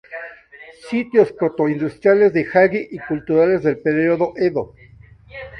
Sitios proto-industriales de Hagi y culturales del Período Edo.